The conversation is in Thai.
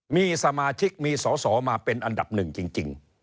มีสมาชิกมีสอสอมาเป็นอันดับหนึ่งจริง